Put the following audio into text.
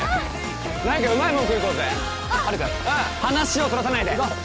何かうまいもん食いに行こうぜハルくん話をそらさないで行こう